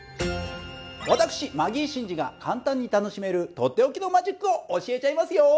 私マギー審司が簡単に楽しめるとっておきのマジックを教えちゃいますよ。